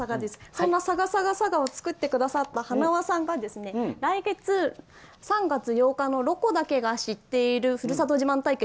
そんな歌を作ってくださったはなわさんが来月３月８日の「ロコだけが知っているふるさと自慢対決！